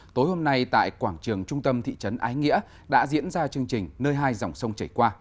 tối hôm nay tại quảng trường trung tâm thị trấn ái nghĩa đã diễn ra chương trình nơi hai dòng sông chảy qua